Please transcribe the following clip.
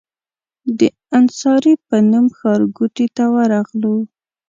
د انصاري په نوم ښارګوټي ته ورغلو.